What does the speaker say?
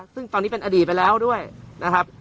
ซึ่งตอนนี้เป็นอดีตไปแล้วด้วยนะครับ